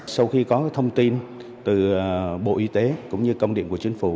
sau khi có thông tin từ bộ y tế cũng như công điện của chính phủ